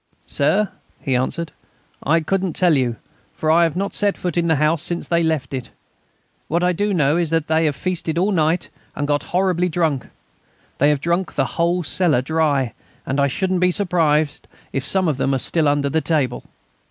"Sir," he answered, "I couldn't tell you; for I have not set foot in the house since they left it. What I do know is that they feasted all night and got horribly drunk. They have drunk the whole cellar dry, and I shouldn't be surprised if some of them are still under the table."